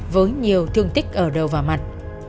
với nhiều thương tích ở đầu và mặt